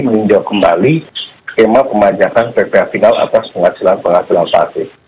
meninjau kembali tema pemajakan pph final atas penghasilan penghasilan pasif